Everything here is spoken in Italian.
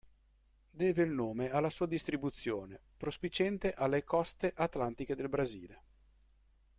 Deve il nome alla sua distribuzione, prospiciente alle coste Atlantiche del Brasile.